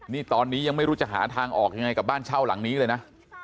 นี่ตอนนี้ยังไม่รู้จะหาทางออกยังไงกับบ้านเช่าหลังนี้เลยนะ